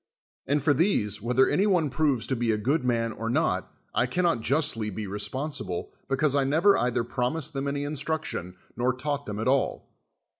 And I'or these, whether any one proves to be a good man or not, I cannot jnstly be resptjnsible, because I never either promised them any instruction nor taught them at all.